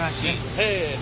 せの。